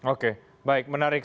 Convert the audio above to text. oke baik menarik